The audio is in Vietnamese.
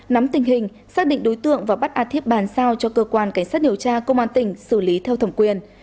nắm tình hình xác định đối tượng và bắt a thiếp bàn sao cho cơ quan cảnh sát điều tra công an tỉnh xử lý theo thẩm quyền